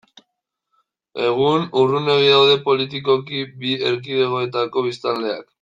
Egun, urrunegi daude politikoki bi erkidegoetako biztanleak.